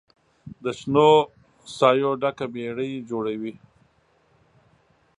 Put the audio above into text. د شنو سایو ډکه بیړۍ جوړوي